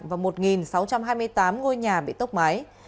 và một sáu trăm hai mươi tám ngôi nhà bị xét đánh tử vong